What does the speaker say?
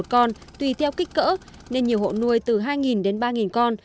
một con tùy theo kích cỡ nên nhiều hộ nuôi từ hai đến ba con